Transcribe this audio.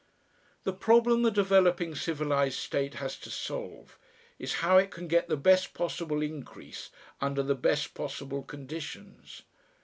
The problem the developing civilised state has to solve is how it can get the best possible increase under the best possible conditions.